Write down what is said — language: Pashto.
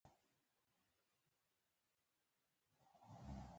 احمد خپل تاو وکيښ.